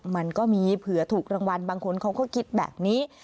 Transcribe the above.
มันก็มีเผื่อถูกรางวัลบางคนเขาก็คิดแบบนี้